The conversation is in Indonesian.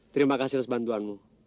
terima kasih tuan ku